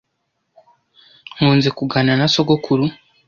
Nkunze kuganira na sogokuru